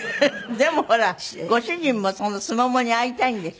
でもほらご主人もすももに会いたいんでしょ？